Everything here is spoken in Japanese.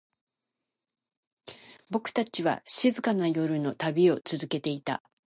僕たちは、静かな夜の旅を続けていた。